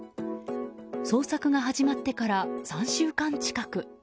捜索が始まってから３週間近く。